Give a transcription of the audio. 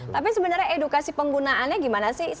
tapi sebenarnya edukasi penggunaannya gimana sih